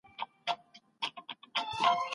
مشرانو به د ولس د غوښتنو د پوره کولو هڅه کوله.